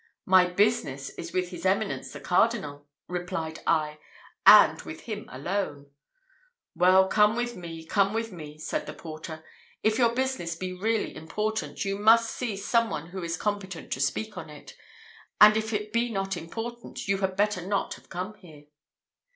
"My business is with his eminence the Cardinal," replied I, "and with him alone." "Well, come with me, come with me!" said the porter. "If your business be really important, you must see some one who is competent to speak on it; and if it be not important, you had better not have come here."